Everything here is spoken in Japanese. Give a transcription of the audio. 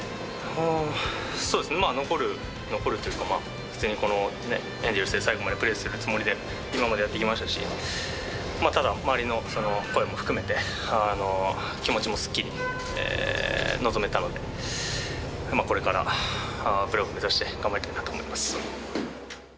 そうですね、まあ、残る、残るというか、普通にこのね、エンゼルスで最後までプレーするつもりで今までやってきましたし、ただ、周りの声も含めて、気持ちもすっきり臨めたので、まあこれから、プレーオフ目指して頑張りたいなと思います。